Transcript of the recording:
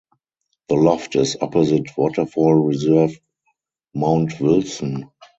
The Loft is opposite Waterfall Reserve Mount Wilson.